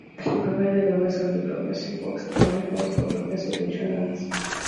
He provides the voice of the "Progressive Box" in commercials for Progressive Insurance.